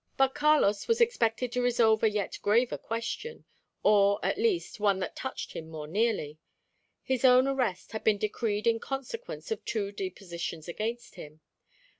But Carlos was expected to resolve a yet graver question; or, at least, one that touched him more nearly. His own arrest had been decreed in consequence of two depositions against him.